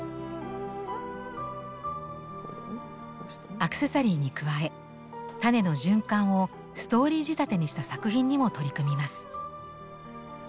アクセサリーに加え種の循環をストーリー仕立てにした作品にも取り組みます。